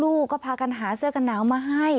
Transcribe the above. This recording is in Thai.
ลูกก็พากันหาเสื้อกันหนาวมาให้